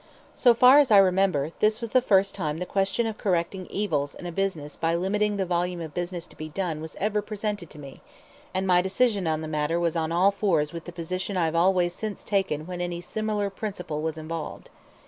So far as I remember, this was the first time the question of correcting evils in a business by limiting the volume of business to be done was ever presented to me, and my decision in the matter was on all fours with the position I have always since taken when any similar principle was involved.